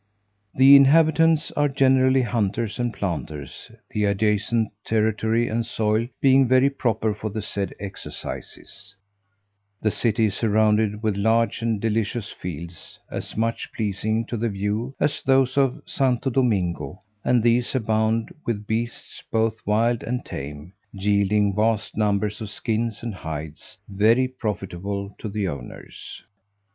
The inhabitants are generally hunters and planters, the adjacent territory and soil being very proper for the said exercises: the city is surrounded with large and delicious fields, as much pleasing to the view as those of Santo Domingo; and these abound with beasts both wild and tame, yielding vast numbers of skins and hides, very profitable to the owners.